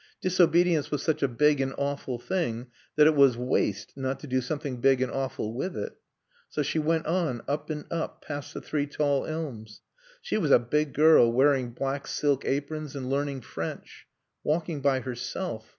Disobedience was such a big and awful thing that it was waste not to do something big and awful with it. So she went on, up and up, past the three tall elms. She was a big girl, wearing black silk aprons and learning French. Walking by herself.